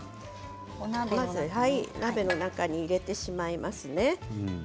お鍋の中に入れてしまいますね。